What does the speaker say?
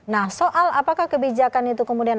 nah soal apakah kebijakan itu kemudian